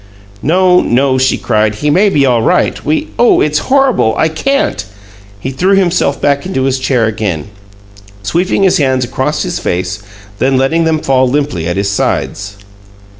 "No, no!" she cried. "He may be all right. We " "Oh, it's horrible! I can't " He threw himself back into his chair again, sweeping his hands across his face, then letting them fall limply at his sides.